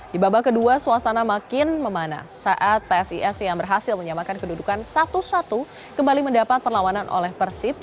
di babak kedua suasana makin memanas saat psis yang berhasil menyamakan kedudukan satu satu kembali mendapat perlawanan oleh persib